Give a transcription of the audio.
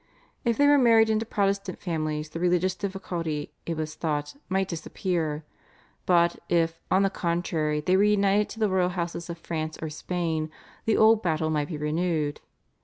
If they were married into Protestant families the religious difficulty, it was thought, might disappear; but, if, on the contrary, they were united to the royal houses of France or Spain the old battle might be renewed.